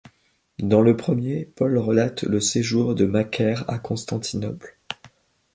Dans le premier, Paul relate le séjour de Macaire à Constantinople.